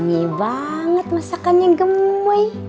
wangi banget masakannya gemuy